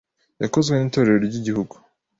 yakozwe n’Itorero ry’Igihugu;